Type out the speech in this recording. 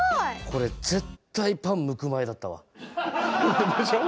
これ絶対パンむく前だったわでしょ？